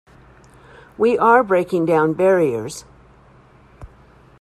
We are breaking down barriers.